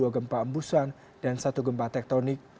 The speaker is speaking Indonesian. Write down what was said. tiga puluh dua gempa embusan dan satu gempa tektonik